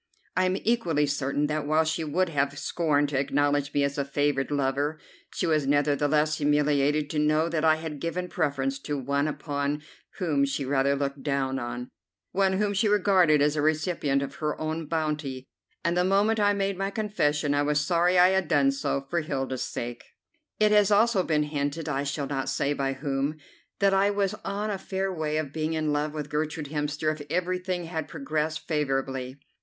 I am equally certain that, while she would have scorned to acknowledge me as a favoured lover, she was nevertheless humiliated to know that I had given preference to one upon whom she rather looked down, one whom she regarded as a recipient of her own bounty, and the moment I made my confession I was sorry I had done so, for Hilda's sake. It has also been hinted, I shall not say by whom, that I was on a fair way of being in love with Gertrude Hemster if everything had progressed favourably.